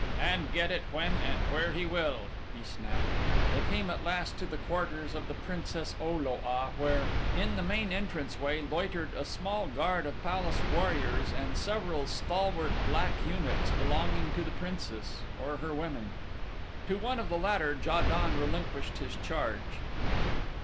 "And get it when and where he will," he snapped. They came at last to the quarters of the Princess O lo a where, in the main entrance way, loitered a small guard of palace warriors and several stalwart black eunuchs belonging to the princess, or her women. To one of the latter Ja don relinquished his charge.